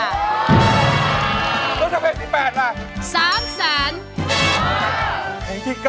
แล้วเท่าไรรฟร์เมื่อนที่๘ล่ะ